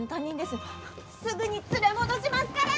すぐに連れ戻しますから！